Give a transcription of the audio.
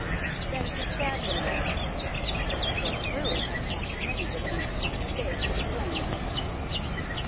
That is a sad little archway, for through it have passed many victims to the stake and the flame.